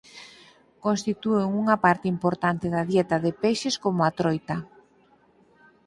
Constitúen unha parte importante da dieta de peixes como a troita.